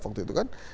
waktu itu kan